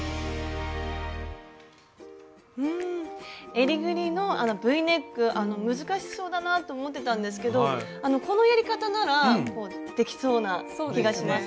えりぐりのＶネック難しそうだなと思ってたんですけどこのやり方ならできそうな気がします。